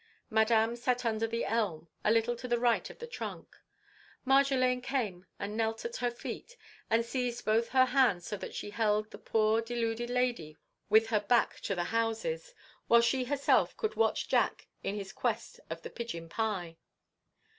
Madame sat under the elm, a little to the right of the trunk. Marjolaine came and knelt at her feet and seized both her hands so that she held the poor, deluded lady with her back to the houses, while she herself could watch Jack in his quest of the pigeon pie.